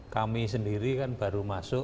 kami sendiri kan baru masuk